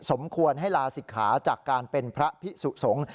สมควรให้ลาศิกขาจากการเป็นพระพิสุสงฆ์